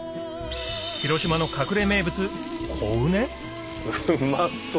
広島の隠れ名物コウネ？うまそう！